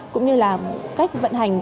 cũng như là cách vận hành